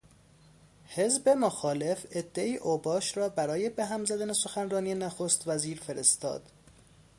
حزب مخالف عدهای اوباش را برای بهم زدن سخنرانی نخستوزیر فرستاد.